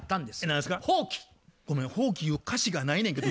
ごめん「放棄」ゆう歌詞がないねんけど。